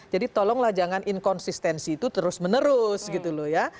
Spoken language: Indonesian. jadi tolonglah jangan inkonsistensi itu terus menerus gitu loh ya